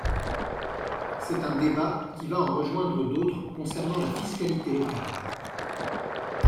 C’est un débat qui va en rejoindre d’autres concernant la fiscalité locale.